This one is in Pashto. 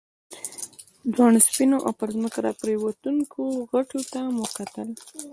د واورې سپینو او پر ځمکه راپرېوتونکو غټیو ته مو کتل.